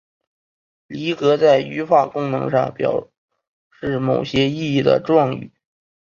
离格在语法功能上为表示某些意义的状语。